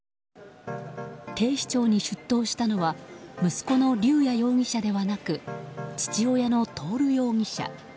警視庁に出頭したのは息子の龍也容疑者ではなく父親の徹容疑者。